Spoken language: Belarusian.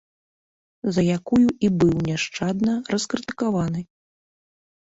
За якую і быў няшчадна раскрытыкаваны.